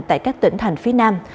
tại các tỉnh thành phía nam